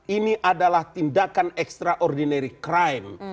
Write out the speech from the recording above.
ini adalah tindakan extraordinary crime